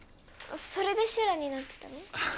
それでシュラになってたの？